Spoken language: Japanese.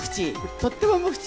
とっても無口！